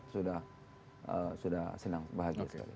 sudah senang bahagia